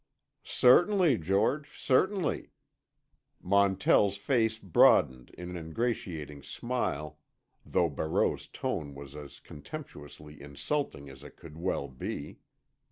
"Certainly, George, certainly," Montell's face broadened in an ingratiating smile, though Barreau's tone was as contemptuously insulting as it could well be.